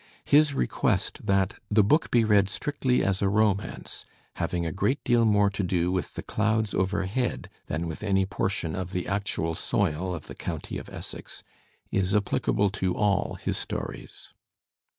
His request that "the book be read strictly as a Romance, having a great deal more to do with the clouds overhead than with any por tion of the actual soil of the County of Essex" is applicable to all his stories.